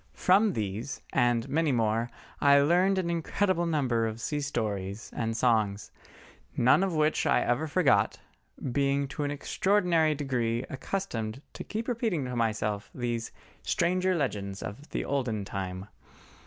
From these and many more I learned an incredible number of sea stories and songs, none of which I ever forgot, being to an extraordinary degree accustomed to keep repeating to myself these "stranger legends of the olden time."